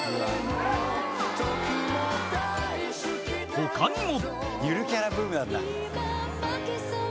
［他にも］